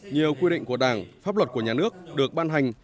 nhiều quy định của đảng pháp luật của nhà nước được ban hành